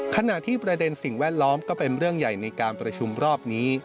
ขณะที่ประเด็นสิ่งแวดล้อมก็เป็นเรื่องใหญ่ในการประชุมรอบนี้